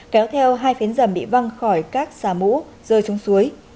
kéo theo hai phiến rầm bị văng khỏi các xà mũ rơi xuống suối